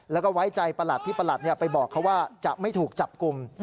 แล้วก็ไว้ใจประหลัดที่ประหลัดไปบอกเขาว่าจะไม่ถูกจับกลุ่ม